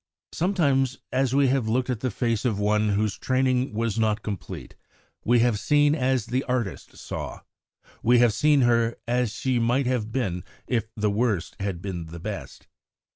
Sometimes as we have looked at the face of one whose training was not complete we have seen as the artist saw: we have seen her "as she might have been if the worst had been the best."